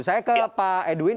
saya ke pak edwin